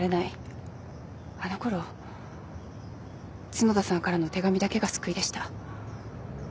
あのころ角田さんからの手紙だけが救いでした。